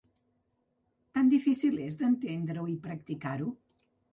Tan difícil és d'entendre-ho i practicar-ho ?